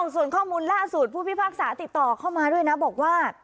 ส่วนข้อมูลล่าสุดผู้พิพากษาติดต่อเข้ามาด้วยนะบอกว่า